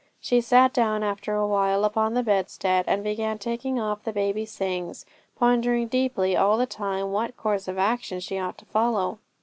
She sat down after a while upon the bedstead, and began taking off the baby's things, pondering deeply all the time what course of action she ought to follow.